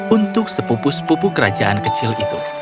untuk sepupu sepupu kerajaan kecil itu